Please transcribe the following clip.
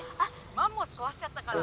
「マンモスこわしちゃったから」。